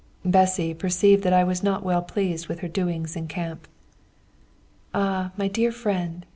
Bessy perceived that I was not well pleased with her doings in camp. "Ah, my dear friend!"